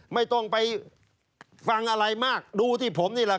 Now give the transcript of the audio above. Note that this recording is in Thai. ไม่ต้องไปฟังอะไรมากดูที่ผมนี่แหละครับ